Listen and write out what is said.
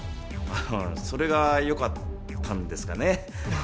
それが良かったんですかね？